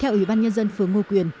theo ủy ban nhân dân phường ngô quyền